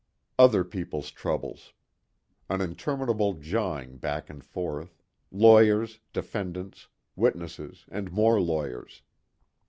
Other people's troubles. An interminable jawing back and forth lawyers, defendants, witnesses and more lawyers.